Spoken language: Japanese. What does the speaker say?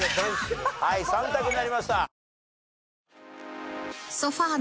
はい３択になりました。